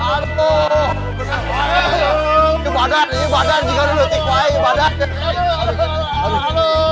ini badan ini dikoteng